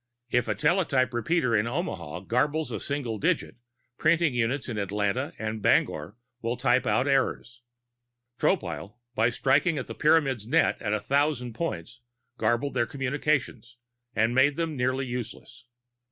If a teletype repeater in Omaha garbles a single digit, printing units in Atlanta and Bangor will type out errors. Tropile, by striking at the Pyramids' net at a thousand points, garbled their communications and made them nearly useless.